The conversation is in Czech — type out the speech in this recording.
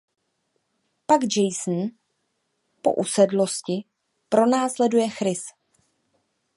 Pak Jason po usedlosti pronásleduje Chris.